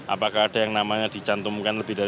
apakah ada yang namanya dicantumkan lebih dari